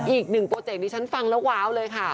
อีกหนึ่งโปรเจกต์ที่ฉันฟังแล้วว้าวเลยค่ะ